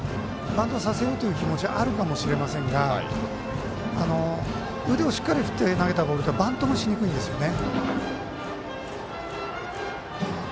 バントさせようという気持ちあるかもしれませんが腕をしっかり振って投げたボールはバントもしにくいんですね。